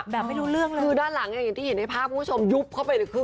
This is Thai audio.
ไม่รู้เรื่องเลยคือด้านหลังอย่างที่เห็นในภาพคุณผู้ชมยุบเข้าไปเลยคึ